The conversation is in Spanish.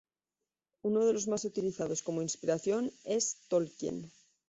Uno de los más utilizados como inspiración es Tolkien.